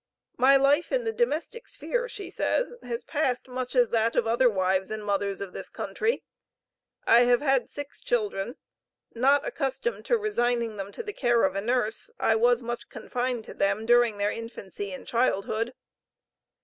"My life in the domestic sphere," she says, "has passed much as that of other wives and mothers of this country. I have had six children. Not accustomed to resigning them to the care of a nurse, I was much confined to them during their infancy and childhood."